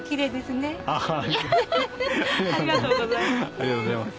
ありがとうございます。